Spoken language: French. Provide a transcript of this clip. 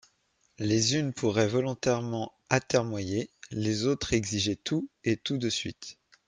Les unes pourraient volontairement atermoyer, les autres exiger tout et tout de suite.